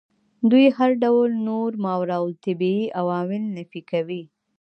دوی هر ډول نور ماورا الطبیعي عوامل نفي کوي.